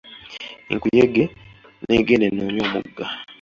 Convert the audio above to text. Enkuyege n'egenda enoonye omugga.